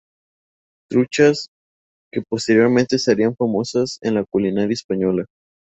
Truchas que posteriormente se harían famosas en la culinaria española.